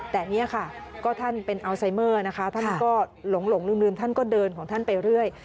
แต่นี่ค่ะก็ท่านเป็นอัลไซเมอร์นะคะท่านก็หลงลืมท่านก็เดินของท่านไปเรื่อย